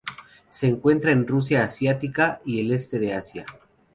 Se encuentra en Rusia asiática y el este de Asia.